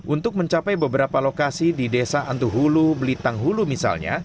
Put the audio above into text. untuk mencapai beberapa lokasi di desa antuhulu belitang hulu misalnya